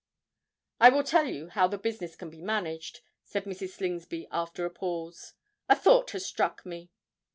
"I will tell you how the business can be managed," said Mrs. Slingsby, after a pause. "A thought has struck me!